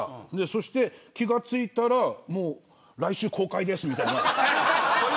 そして、気が付いたら来週公開です、みたいな。